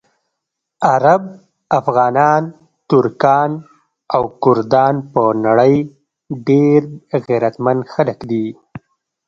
عرب، افغانان، ترکان او کردان په نړۍ ډېر غیرتمند خلک دي.